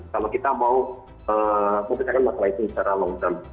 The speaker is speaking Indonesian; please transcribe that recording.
kalau kita mau mempercayakan masalah itu secara long term